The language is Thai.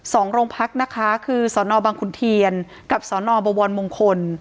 สองโรงพักนะคะคือศบคนเถียนกับศบมงคล